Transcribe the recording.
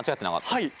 はい。